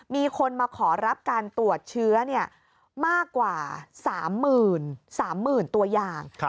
มีคนมาขอรับการตรวจเชื้อมากกว่า๓๓๐๐๐ตัวอย่าง